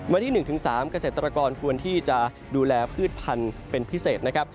วันที่๑๓เกษตรกรควรที่จะดูแลพืชพันธุ์เป็นพิเศษนะครับ